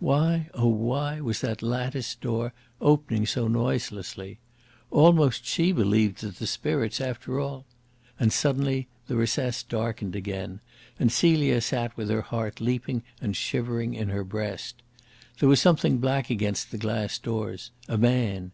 Why, oh, why was that latticed door opening so noiselessly? Almost she believed that the spirits after all... And suddenly the recess darkened again, and Celia sat with her heart leaping and shivering in her breast. There was something black against the glass doors a man.